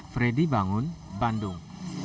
freddy bangun bandung